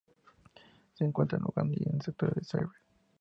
Se encuentra en Uganda y en sectores de Zaire.